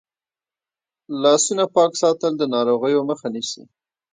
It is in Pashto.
لاسونه پاک ساتل د ناروغیو مخه نیسي.